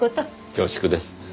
恐縮です。